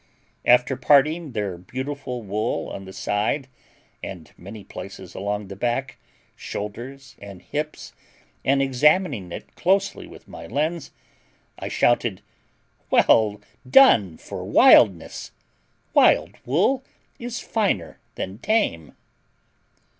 After parting their beautiful wool on the side and many places along the back, shoulders, and hips, and examining it closely with my lens, I shouted: "Well done for wildness! Wild wool is finer than tame!"